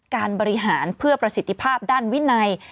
การบริหารเพื่อประสิทธิภาพด้านวินัย